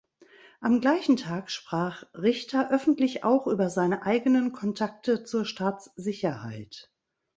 Am gleichen Tag sprach Richter öffentlich auch über seine eigenen Kontakte zur Staatssicherheit.